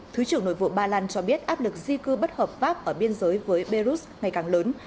thứ trưởng nội vụ ba lan cho biết áp lực di cư bất hợp pháp ở biên giới với belarus ngày càng lớn